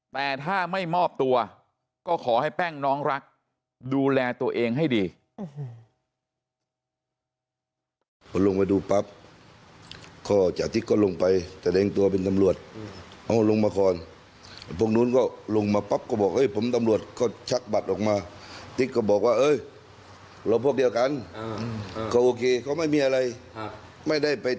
แต่ถ้าไม่มอบตัวก็ขอให้แป้งน้องรักดูแลตัวเองให้ดี